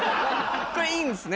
これいいんですね？